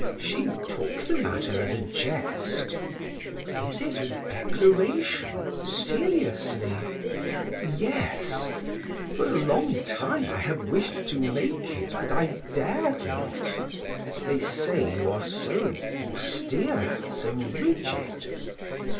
She took the matter as a jest. "Is it a declaration seriously?" "Yes, for a long time I have wished to make it, but I dared not; they say you are so austere, so rigid."